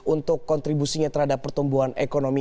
untuk kontribusinya terhadap pertumbuhan ekonomi